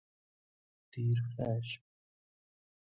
دیر خشم